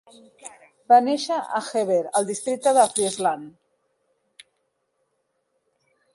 Va néixer a Jever al districte de Friesland.